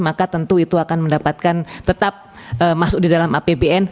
maka tentu itu akan mendapatkan tetap masuk di dalam apbn